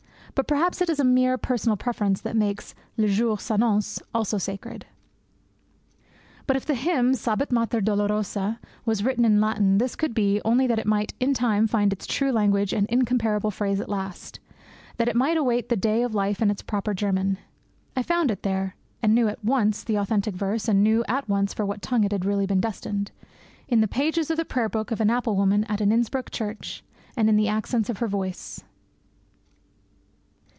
But perhaps it is a mere personal preference that makes le jour s'annonce also sacred. If the hymn, "Stabat Mater dolorosa," was written in Latin, this could be only that it might in time find its true language and incomparable phrase at last that it might await the day of life in its proper German. I found it there (and knew at once the authentic verse, and knew at once for what tongue it had been really destined) in the pages of the prayer book of an apple woman at an Innsbruck church, and in the accents of her voice.